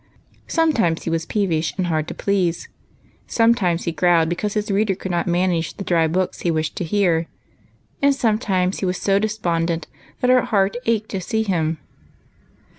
Sometimes he was peevish and hard to i:)lease, sometimes he growled because his reader could not manage the dry books he wished to hear, and some times he was so despondent that her heart ached to see him.